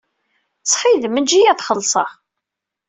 Ttxil-m eǧǧ-iyi ad xellṣeɣ.